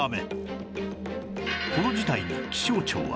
この事態に気象庁は